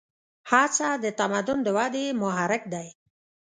هڅه د تمدن د ودې محرک دی.